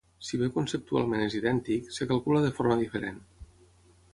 Si bé conceptualment és idèntic, es calcula de forma diferent.